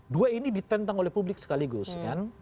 dua ini ditentang oleh publik sekaligus kan